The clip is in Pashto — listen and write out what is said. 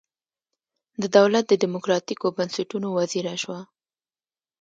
د دولت د دموکراتیکو بنسټونو وزیره شوه.